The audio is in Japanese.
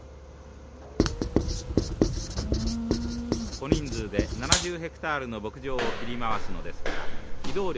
小人数で７０ヘクタールの牧場を切り回すのですから機動力が第一。